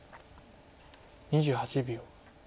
２８秒。